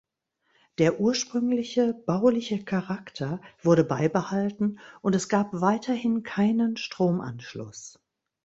Der ursprüngliche bauliche Charakter wurde beibehalten und es gab weiterhin keinen Stromanschluss.